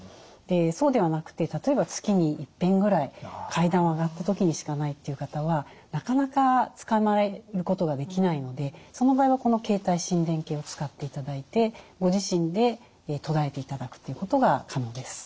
そうではなくて例えば月にいっぺんぐらい階段を上がった時にしかないという方はなかなかつかまえることができないのでその場合はこの携帯心電計を使っていただいてご自身でとらえていただくということが可能です。